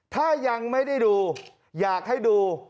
ถ้ายังไม่ได้ดูอยากให้ดู